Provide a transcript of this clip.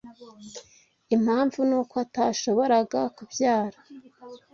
Impamvu ni uko atashoboraga kubyara